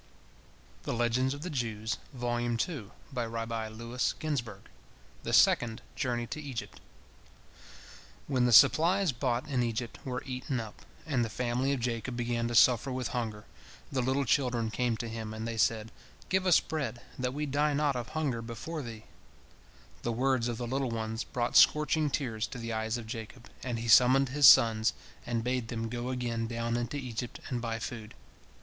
THE SECOND JOURNEY TO EGYPT When the supplies bought in Egypt were eaten up, and the family of Jacob began to suffer with hunger, the little children came to him, and they said, "Give us bread, that we die not of hunger before thee." The words of the little ones brought scorching tears to the eyes of Jacob, and he summoned his sons and bade them go again down into Egypt and buy food.